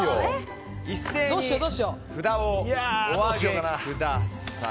一斉に札をお上げください。